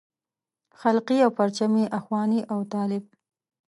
خلقي او پرچمي اخواني او طالب.